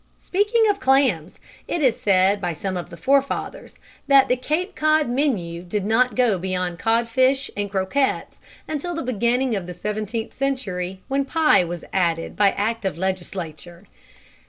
Speaking of clams, it is said by some of the forefathers that the Cape Cod menu did not go beyond codfish croquettes until the beginning of the seventeenth century, when pie was added by act of legislature.